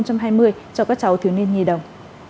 cho các cháu thiếu niên nhi đồng